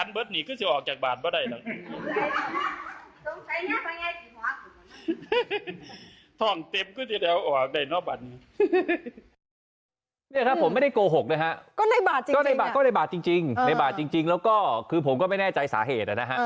เนี่ยครับผมไม่ได้โกหกนะฮะก็ในบาทจริงแล้วก็คือผมก็ไม่แน่ใจสาเหตุนะฮะ